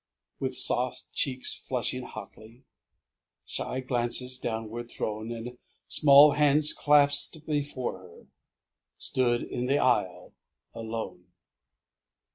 With soft cheeks flushing hotly, Shy glances downward thrown, And small hands clasped before her, Stood in the aisle alone.